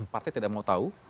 partai tidak mau tahu